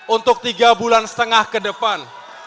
untuk tiga bulan setengah ke depan